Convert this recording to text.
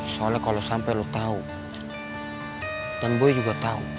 soalnya kalo sampe lo tau dan gue juga tau